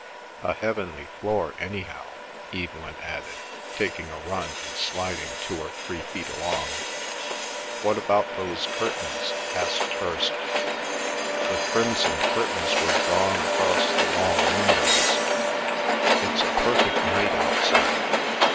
"A heavenly floor, anyhow," Evelyn added, taking a run and sliding two or three feet along. "What about those curtains?" asked Hirst. The crimson curtains were drawn across the long windows. "It's a perfect night outside."